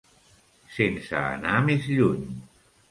Sense anar més lluny.